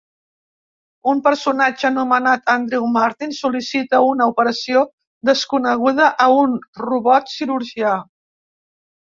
Un personatge anomenat Andrew Martin sol·licita una operació desconeguda a un robot cirurgià.